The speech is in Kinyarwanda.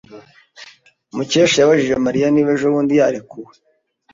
Mukesha yabajije Mariya niba ejobundi yarekuwe.